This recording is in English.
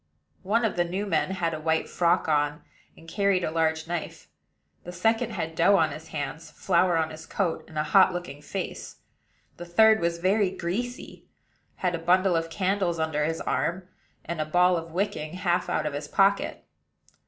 One of the new men had a white frock on, and carried a large knife; the second had dough on his hands, flour on his coat, and a hot looking face; the third was very greasy, had a bundle of candles under his arm, and a ball of wicking half out of his pocket.